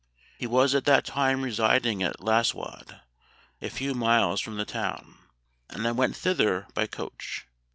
He was at that time residing at Lasswade, a few miles from the town, and I went thither by coach.